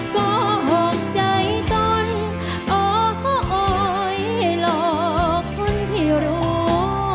ก็หอกใจต้นโอ้โฮโอ้ยให้หลอกคนที่รู้